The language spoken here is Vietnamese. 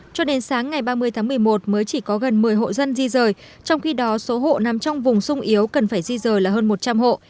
cho đến sáng ngày ba mươi tháng một mươi một mới chỉ có gần một mươi hộ dân di rời trong khi đó số hộ nằm trong vùng sung yếu cần phải di rời là hơn một trăm linh hộ